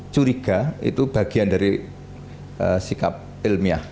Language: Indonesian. curiga itu bagian dari sikap ilmiah